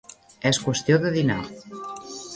És qüestió de dinar.